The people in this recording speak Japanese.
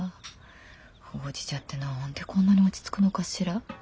ほうじ茶って何でこんなに落ち着くのかしら。